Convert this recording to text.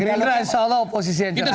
gerindra insya allah oposisi yang terbaik